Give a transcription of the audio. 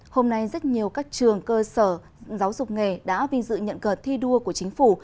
hôm nay rất nhiều các trường cơ sở giáo dục nghề đã vinh dự nhận cờ thi đua của chính phủ